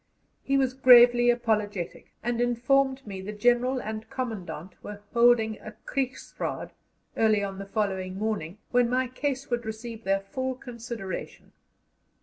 He was gravely apologetic, and informed me the General and Commandant were holding a Kriegsraad early on the following morning, when my case would receive their full consideration.